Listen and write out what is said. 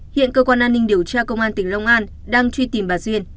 hiện cơ quan an ninh điều tra công an tỉnh long an đang truy tìm bà duyên